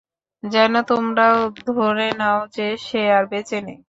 যেন তোমরাও ধরে নাও যে সে আর বেঁচে নেই।